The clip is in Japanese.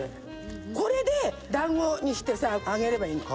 これで団子にしてさ揚げればいいの。